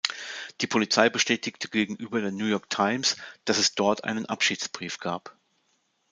Die Polizei bestätigte gegenüber der New York Times, dass es dort einen Abschiedsbrief gab.